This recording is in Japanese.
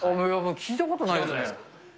聞いたことないですね。